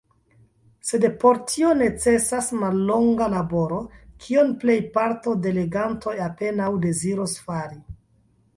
Sed por tio necesas nemallonga laboro, kion plejparto de legantoj apenaŭ deziros fari.